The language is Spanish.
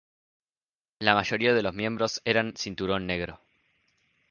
La mayoría de los miembros eran cinturón negro.